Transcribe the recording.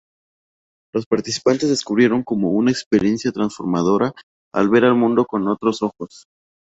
Los participantes describieron como "una experiencia transformadora al ver el mundo con otros ojos.